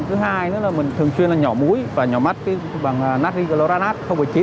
thứ hai nữa là mình thường chuyên là nhỏ mũi và nhỏ mắt bằng natri gloranat chín